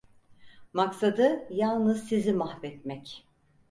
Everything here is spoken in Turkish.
Maksadı yalnız sizi mahvetmek…